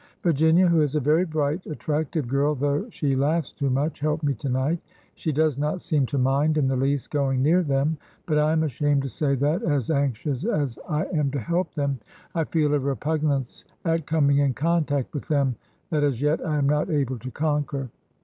'' Virginia, who is a very bright, attractive girl, though she laughs too much, helped me to night. She does not seem to mind in the least going near them ; but I am ashamed to say that, as anxious as I am to help them, I feel a repugnance at coming in contact with them that as yet I am not able to conquer.